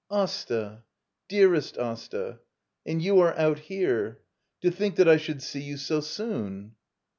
] Asta! Dearest Asta! And you are out here! To think that I should see you so soon!